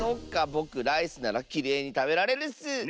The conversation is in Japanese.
ぼくライスならきれいにたべられるッス！